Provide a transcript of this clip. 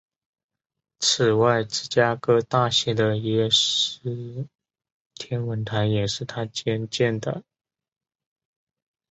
此外芝加哥大学的耶基斯天文台也是他捐建的。